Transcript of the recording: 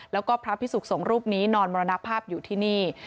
แล้วก็พระพิสุขสงฆ์รูปนี้นอนมรณภาพอยู่ที่นี่